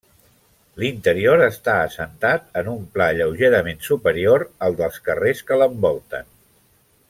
L'interior està assentat en un pla lleugerament superior al dels carrers que l'envolten.